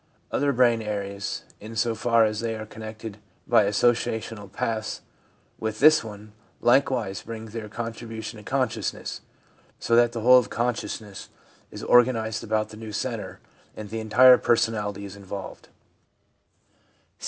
Other brain areas, in so far as they are connected by associational paths with this one, likewise bring their contribution to consciousness, so that the whole of consciousness is organised about the new centre, and the entire person ality is involved.